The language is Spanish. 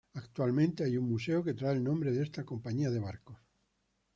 Actualmente hay un museo que trae el nombre de esta compañía de barcos.